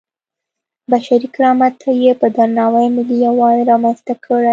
بشري کرامت ته یې په درناوي ملي یووالی رامنځته کړی.